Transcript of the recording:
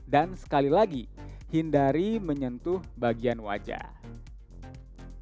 dan sekali lagi hindari menyentuh bagian wajah